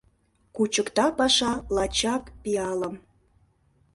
Кучыкта паша лачак пиалым